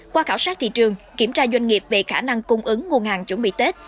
qua khảo sát thị trường kiểm tra doanh nghiệp về khả năng cung ứng nguồn hàng chuẩn bị tết